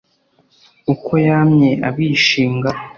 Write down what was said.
uko yamye abishinga